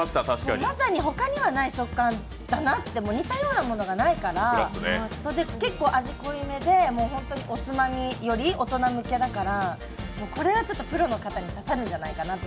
まさに、ほかにはない食感だなって似たようなものがないから結構、味濃いめで、おつまみ寄り、大人向けだからこれはちょっとプロの方に刺さるんじゃないかなと。